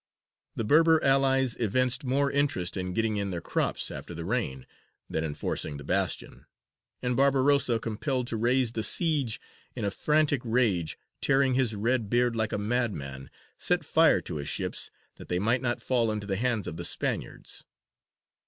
The Berber allies evinced more interest in getting in their crops after the rain than in forcing the bastion; and Barbarossa, compelled to raise the siege, in a frantic rage, tearing his red beard like a madman, set fire to his ships that they might not fall into the hands of the Spaniards.